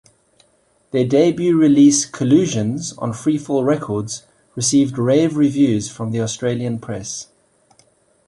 Their debut release "Collusions", on Freefall Records, received rave reviews from the Australian press.